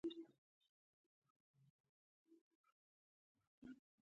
که په یوه جمله کې زمانه بدلون ومومي فعل کې څه بدلون راځي.